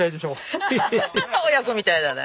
アハハ親子みたいだね。